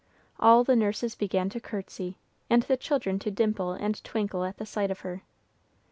All the nurses began to courtesy, and the children to dimple and twinkle at the sight of her.